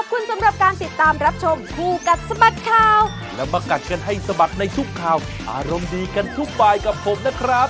ขอบคุณสำหรับการติดตามรับชมคู่กัดสะบัดข่าวแล้วมากัดกันให้สะบัดในทุกข่าวอารมณ์ดีกันทุกบายกับผมนะครับ